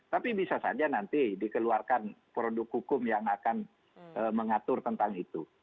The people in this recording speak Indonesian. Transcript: tapi bisa saja nanti dikeluarkan produk hukum yang akan mengatur tentang itu